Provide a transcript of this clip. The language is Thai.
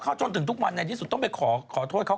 เขาจนถึงทุกวันในที่สุดต้องไปขอโทษเขา